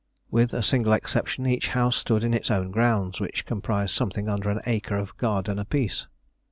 With a single exception each house stood in its own grounds, which comprised something under an acre of garden apiece.